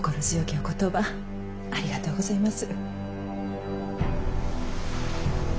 お言葉ありがとうございます。